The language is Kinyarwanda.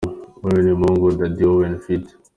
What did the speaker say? Wewe ni Mungu – Daddy Owen ft.